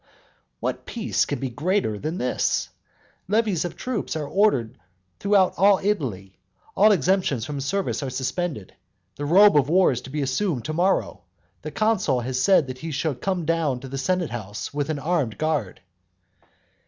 What peace can be greater than this? Levies of troops are ordered throughout all Italy; all exemptions from service are suspended; the robe of war is to be assumed to morrow, the consul has said that he shall come down to the senate house with an armed guard.